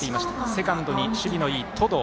セカンドに守備のいい登藤。